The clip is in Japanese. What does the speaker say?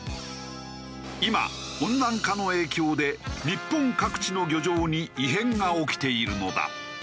今温暖化の影響で日本各地の漁場に異変が起きているのだ。